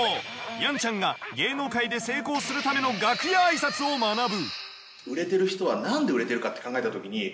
やんちゃんが芸能界で成功するための楽屋挨拶を学ぶ。